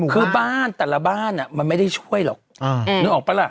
คือบ้านแต่ละบ้านมันไม่ได้ช่วยหรอกนึกออกปะล่ะ